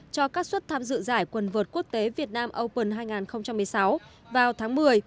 cho các suất tham dự giải quần vượt quốc tế việt nam open hai nghìn một mươi sáu vào tháng một mươi